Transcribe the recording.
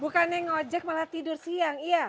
bukannya ngajak malah tidur siang iya